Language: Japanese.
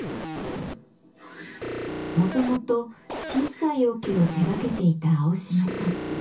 もともと小さい桶を手がけていた青島さん。